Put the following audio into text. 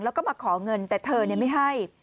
แล้วก็มาขอเงินแต่เธอไม่ให้